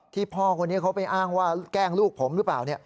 พ่อคนนี้เขาไปอ้างว่าแกล้งลูกผมหรือเปล่า